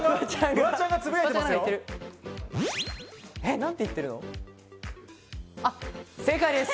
フワちゃんがつぶやいてます。